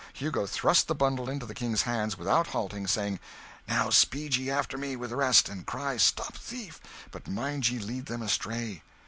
Hugo thrust the bundle into the King's hands without halting, saying "Now speed ye after me with the rest, and cry 'Stop thief!' but mind ye lead them astray!"